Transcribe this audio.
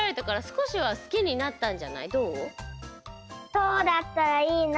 そうだったらいいな。